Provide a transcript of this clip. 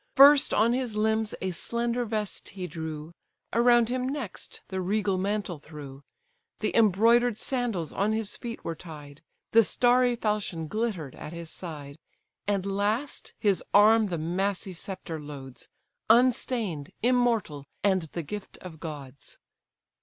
First on his limbs a slender vest he drew, Around him next the regal mantle threw, The embroider'd sandals on his feet were tied; The starry falchion glitter'd at his side; And last, his arm the massy sceptre loads, Unstain'd, immortal, and the gift of gods.